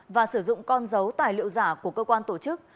và sử dụng con dấu tài liệu giả của cơ quan tổ chức